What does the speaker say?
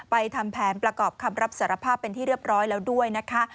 ทำแผนประกอบคำรับสารภาพเป็นที่เรียบร้อยแล้วด้วยนะคะ